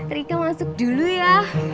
rika masuk dulu ya